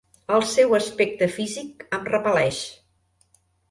El seu aspecte físic em repel·leix.